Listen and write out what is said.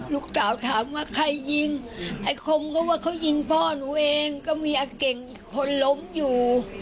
ลูกสาวถามว่าใครยิงไอ้คมก็ว่าเขายิงพ่อหนูเองก็มีไอ้เก่งอีกคนล้มอยู่